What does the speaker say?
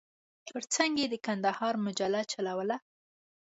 پر څنګ یې د کندهار مجله چلوله.